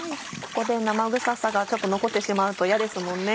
ここで生臭さがちょっと残ってしまうと嫌ですもんね。